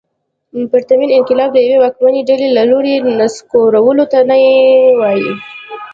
پرتمین انقلاب د یوې واکمنې ډلې له لوري نسکورولو ته نه وايي.